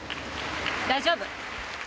大丈夫。